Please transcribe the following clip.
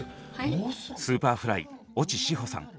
Ｓｕｐｅｒｆｌｙ越智志帆さん。